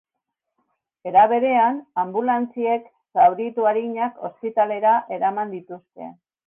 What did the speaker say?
Era berean, anbulantziek zauritu arinak ospitalera eraman dituzte.